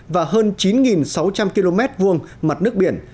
và hơn chín sáu trăm linh km vuông mặt nước biển